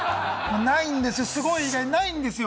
ないんですよ、すごい以外ないんですよ。